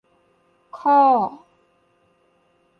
ข้อ